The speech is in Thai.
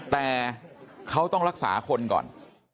แต่เขาต้องรักษาคนก่อน